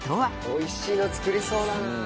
美味しいの作りそうだな。